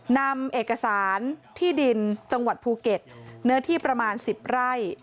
นำเอกสารที่ดินจังหวัดภูเก็ตเนื้อที่ประมาณ๑๐ไร่